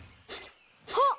あっ！